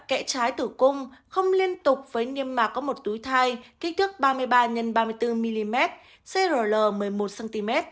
kẽ trái tử cung không liên tục với niêm mạc có một túi thai kích thước ba mươi ba x ba mươi bốn mm crl một mươi một cm